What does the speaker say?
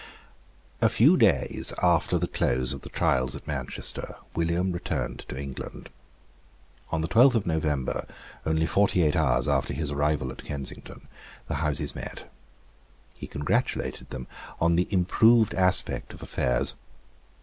A few days after the close of the trials at Manchester William returned to England. On the twelfth of November, only forty eight hours after his arrival at Kensington, the Houses met. He congratulated them on the improved aspect of affairs.